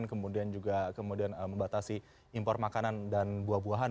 kemudian juga kemudian membatasi impor makanan dan buah buahan